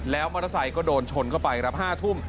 แล้วมอเตอร์ไซค์ก็โดนชนเข้าไปครับ๕ทุ่ม